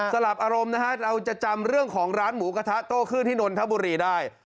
หลับอารมณ์นะฮะเราจะจำเรื่องของร้านหมูกระทะโต้ขึ้นที่นนทบุรีได้